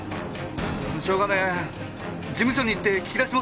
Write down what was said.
しょうがねぇ事務所に行って聞き出しますよ！